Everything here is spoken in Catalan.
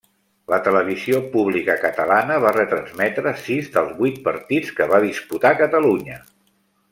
La televisió pública catalana va retransmetre sis dels vuit partits que va disputar Catalunya.